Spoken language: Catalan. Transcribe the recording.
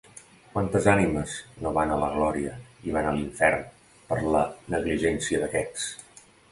Quantes ànimes no van a la glòria i van a l'infern per la negligència d'aquests!